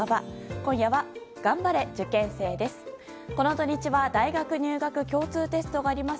今夜は、頑張れ受験生です。